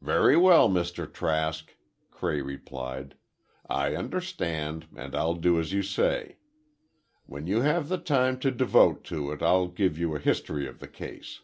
"Very well, Mr. Trask," Cray replied; "I understand, and I'll do as you say. When you have the time to devote to it, I'll give you a history of the case."